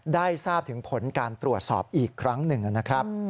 ได้ทราบถึงผลการตรวจสอบอีกครั้งหนึ่งนะครับ